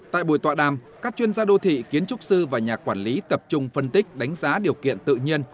tại buổi tọa đàm các chuyên gia đô thị kiến trúc sư và nhà quản lý tập trung phân tích đánh giá điều kiện tự nhiên